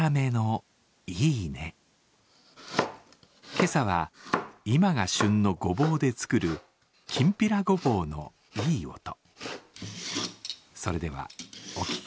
今朝は今が旬のごぼうでつくる、きんぴらごぼうのいい音。